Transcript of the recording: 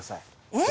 えっ？